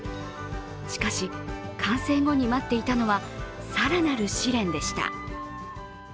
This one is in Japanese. しかし、完成後に待っていたのは更なる試練でした。